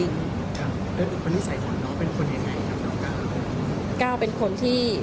แล้วอีกคนที่ใส่ของน้องเป็นคนยังไงครับน้องก้าว